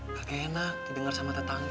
pagi enak didengar sama tetangga